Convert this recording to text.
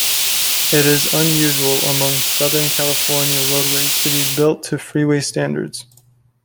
It is unusual among Southern California roadways to be built to freeway standards.